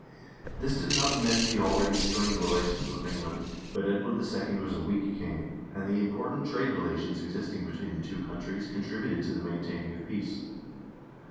This did not mend the already strained relations with England, but Edward II. was a weak king, and the important trade relations existing between the two countries contributed to the maintaining of peace.